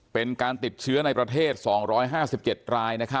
เป็นการติดเชื้อในประเทศ๒๕๗ราย